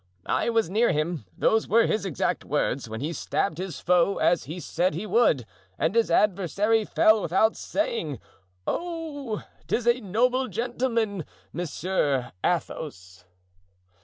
I was near him, those were his exact words, when he stabbed his foe as he said he would, and his adversary fell without saying, 'Oh!' 'Tis a noble gentleman—Monsieur Athos."